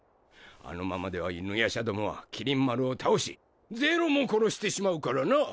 あのままでは犬夜叉どもは麒麟丸を倒し是露も殺してしまうからな！